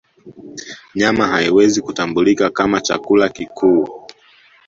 Nyama haiwezi kutambulika kama chakula kikuu